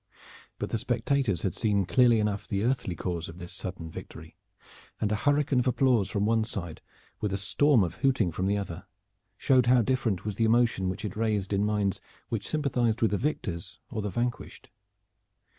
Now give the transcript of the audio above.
But the spectators had seen clearly enough the earthly cause of this sudden victory, and a hurricane of applause from one side, with a storm of hooting from the other showed how different was the emotion which it raised in minds which sympathized with the victors or the vanquished.